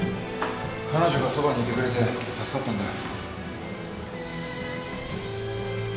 彼女がそばにいてくれて助かったんだよ。